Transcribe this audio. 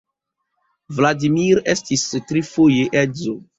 Vladimir estis trifoje edzo.